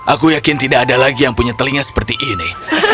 aku yakin tidak ada lagi yang punya telinga seperti ini